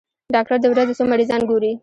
ډاکټر د ورځې څو مريضان ګوري؟